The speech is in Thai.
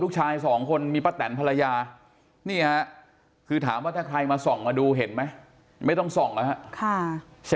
ใช่นี่แหละค่ะก็เอาไว้แค่